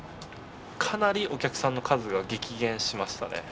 かなりお客さんの数が激減しましたね。